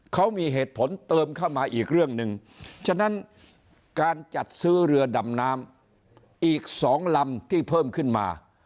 เขามีเหตุผลเติมเข้ามาอีกเรื่องหนึ่งฉะนั้นการจัดซื้อเรือดำน้ำอีก๒ลำที่เพิ่มขึ้นมา